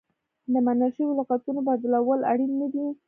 د منل شویو لغتونو بدلول اړین نه دي.